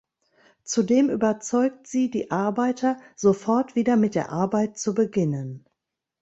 Zudem überzeugt sie die Arbeiter sofort wieder mit der Arbeit zu beginnen.